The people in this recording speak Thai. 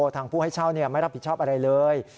ทางผู้ให้เช่าไม่รับผิดชอบอะไรเลย